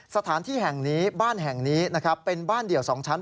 สถานที่แห่งนี้บ้านแห่งนี้นะครับเป็นบ้านเดี่ยว๒ชั้น